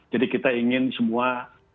jadi kita ingin semua